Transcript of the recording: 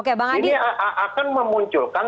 ini akan memunculkan